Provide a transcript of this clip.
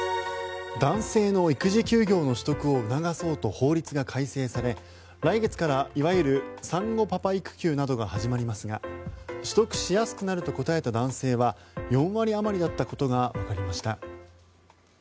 男性の育児休業の取得を促そうと法律が改正され来月から、いわゆる産後パパ育休などが始まりますが取得しやすくなると答えた男性は４割あまりだったことがわかりました。